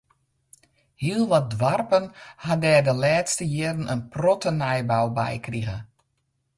Hiel wat doarpen ha der de lêste jierren in protte nijbou by krige.